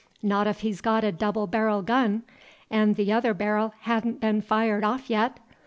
Not if he's got a double berril gun, and t'other berril ha'n't been fired off yet!